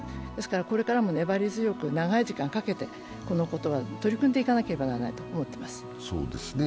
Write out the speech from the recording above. これからも粘り強く、長い時間かけてこのことは取り組んでいかなければならないと思っています。